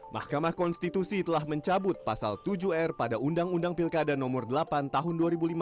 mahkamah konstitusi telah mencabut pasal tujuh r pada undang undang pilkada no delapan tahun dua ribu lima belas